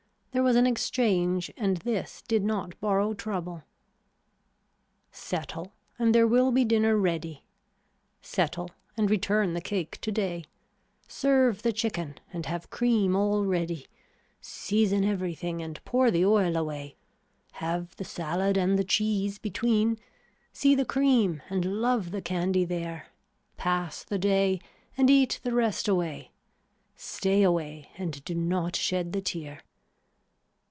There was an exchange and this did not borrow trouble. Settle and there will be dinner ready, settle and return the cake today, serve the chicken and have cream all ready, season everything and pour the oil away, have the salad and the cheese between, see the cream and love the candy there, pass the day and eat the rest away, stay away and do not shed the tear.